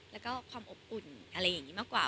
แล้วก็ความอบอุ่นอะไรอย่างนี้มากกว่า